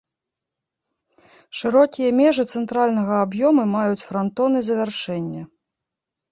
Шырокія межы цэнтральнага аб'ёму маюць франтоны завяршэння.